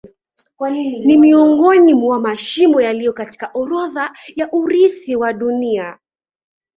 Ni miongoni mwa mashimo yaliyo katika orodha ya urithi wa Dunia.